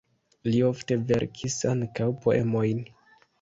Li ofte verkis ankaŭ poemojn.